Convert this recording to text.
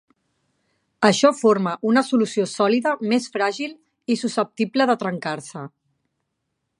Això forma una solució sòlida més fràgil i susceptible de trencar-se.